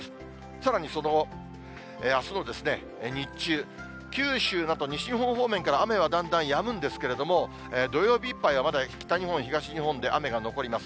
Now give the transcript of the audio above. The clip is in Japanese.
さらにその後、あすの日中、九州など西日本方面から、雨はだんだんやむんですけれども、土曜日いっぱいはまだ北日本、東日本で雨が残ります。